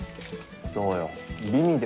どうよ？